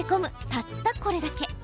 たったこれだけ。